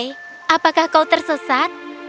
hai apakah kau tersesat